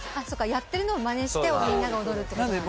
やってるのをまねしてみんなが踊るってことなんだ。